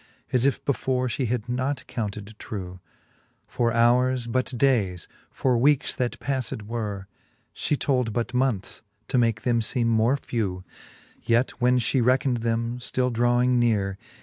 As if before fhe had not counted trew. For houres but dayes ; for weekes, that pafled were, She told but moneths, to make them feeme more few : Yet when fhe reckned them, ftill dravving neare.